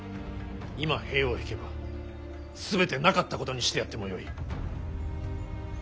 今兵を引けば全てなかったことにしてやってもよい。